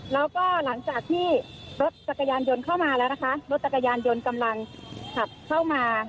แล้วก็หลังจากที่รถจักรยานยนต์เข้ามาแล้วนะคะรถจักรยานยนต์กำลังขับเข้ามา